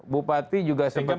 bupati juga seperti itu